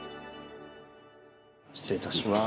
失礼いたします。